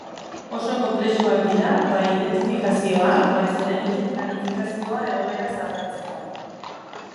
Oso konplexuak dira bai identifikazioa bai zereginen planifikazioa egoeraz aldatzeko.